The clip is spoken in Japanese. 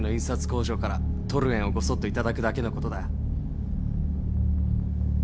工場からトルエンをごそっと頂くだけのことだ。